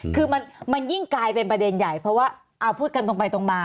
คือมันยิ่งกลายเป็นประเด็นใหญ่เพราะว่าเอาพูดกันตรงไปตรงมา